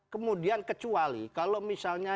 kemudian kecuali kalau misalnya